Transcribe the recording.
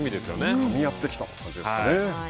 かみ合ってきたという感じですかね。